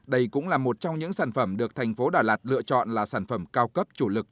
đây cũng là một trong những sản phẩm được thành phố đà lạt lựa chọn là sản phẩm cao cấp chủ lực